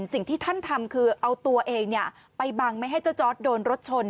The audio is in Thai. สิ่งที่ท่านทำคือเอาตัวเองไปบังไม่ให้เจ้าจอร์ดโดนรถชน